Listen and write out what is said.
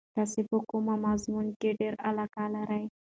تاسې په کوم مضمون کې ډېره علاقه لرئ؟